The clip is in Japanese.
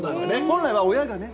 本来は親がね